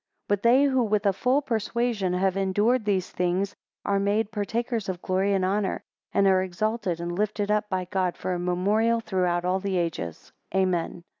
11 But they who with a full persuasion have endured these things, are made partakers of glory and honour: and are exalted and lifted up by God for a memorial throughout all ages, Amen.